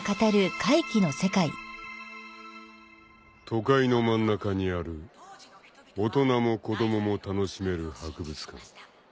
［都会の真ん中にある大人も子供も楽しめる博物館］